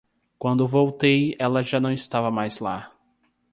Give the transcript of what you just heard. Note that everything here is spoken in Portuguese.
Quando eu voltei ela já não estava mais lá.